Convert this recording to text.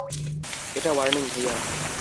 এটা ওয়ার্নিং, ভাইয়া।